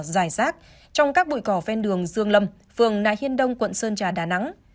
giải sát trong các bụi cỏ phen đường dương lâm phường nại hiên đông quận sơn trà đà nẵng